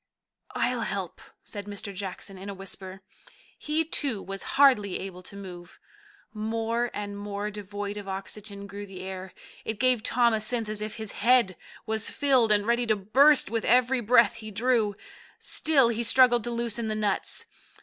"I'll help," said Mr. Jackson in a whisper. He, too, was hardly able to move. More and more devoid of oxygen grew the air. It gave Tom a sense as if his head was filled, and ready to burst with every breath he drew. Still he struggled to loosen the nuts.